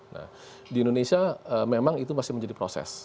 nah di indonesia memang itu masih menjadi proses